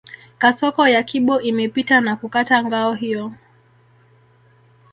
Kasoko ya kibo imepita na kukata ngao hiyo